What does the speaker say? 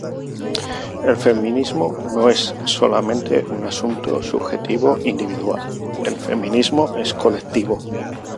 El feminismo no es solamente un asunto subjetivo individual, el feminismo es colectivo.